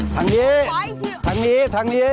ทางนี้ทางนี้ทางนี้